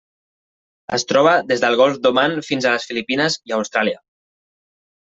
Es troba des del Golf d'Oman fins a les Filipines i Austràlia.